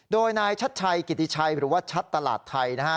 โดยนายชัดชัยกิติชัยหรือว่าชัดตลาดไทยนะฮะ